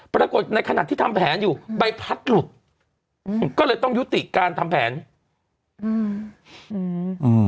ปรากฏในขณะที่ทำแผนอยู่ใบพัดหลุดอืมก็เลยต้องยุติการทำแผนอืมอืม